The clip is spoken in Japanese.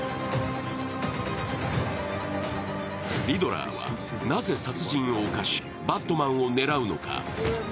リドラーはなぜ殺人を犯し、バットマンを狙うのか。